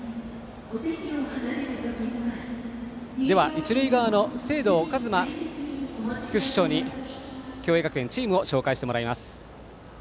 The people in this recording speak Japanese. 一塁側の清藤和真副主将に共栄学園のチームを紹介してもらいます。